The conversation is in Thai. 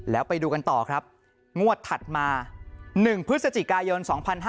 แล้วไปดูกันต่อครับงวดถัดมา๑พฤศจิกายน๒๕๕๙